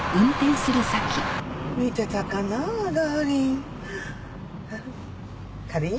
見てたかなあダーリン。